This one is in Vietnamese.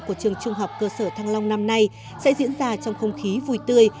của trường trung học cơ sở thăng long năm nay sẽ diễn ra trong không khí vui tươi